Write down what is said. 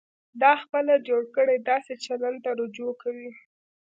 دا خپله جوړ کړي داسې چلند ته رجوع کوي.